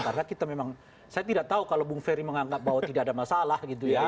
saya tidak tahu kalau bung ferry menganggap bahwa tidak ada masalah